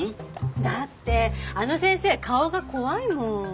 だってあの先生顔が怖いもん。